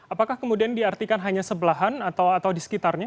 apakah kemudian diartikan hanya sebelahan atau di sekitarnya